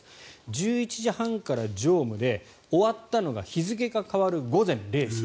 １１時半から乗務で終わったのが日付が変わる午前０時。